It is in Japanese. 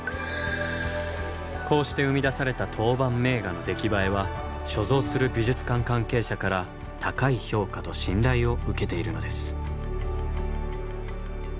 こうして生み出された陶板名画の出来栄えは所蔵する美術館関係者から高い評価と信頼を受けているのです。